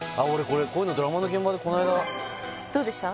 こういうのドラマの現場でこないだどうでした？